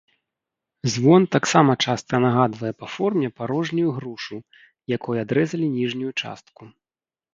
Звон таксама часта нагадвае па форме парожнюю грушу, якой адрэзалі ніжнюю частку.